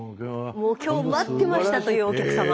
もう今日待ってましたというお客さま。